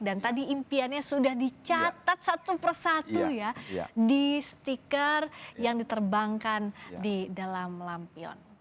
dan tadi impiannya sudah dicatat satu persatu ya di stiker yang diterbangkan di dalam lampion